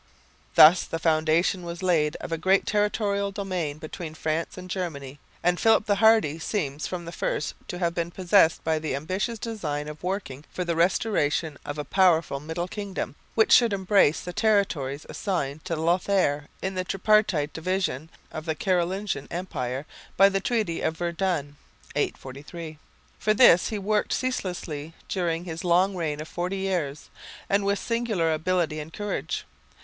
Thus the foundation was laid of a great territorial domain between France and Germany, and Philip the Hardy seems from the first to have been possessed by the ambitious design of working for the restoration of a powerful middle kingdom, which should embrace the territories assigned to Lothaire in the tripartite division of the Carolingian empire by the treaty of Verdun (843). For this he worked ceaselessly during his long reign of forty years, and with singular ability and courage.